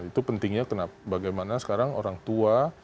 itu pentingnya bagaimana sekarang orang tua